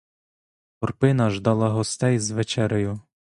Горпина ждала гостей з вечерею.